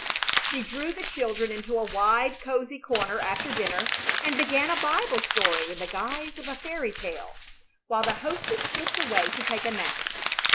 She drew the children into a wide, cozy corner after dinner and began a Bible story in the guise of a fairy tale, while the hostess slipped away to take a nap.